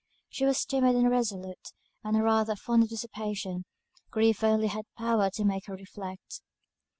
She was timid and irresolute, and rather fond of dissipation; grief only had power to make her reflect.